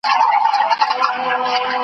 پر ښار به تر قیامته حسیني کربلا نه وي .